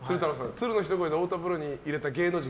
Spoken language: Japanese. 鶴のひと声で太田プロに入れた芸能人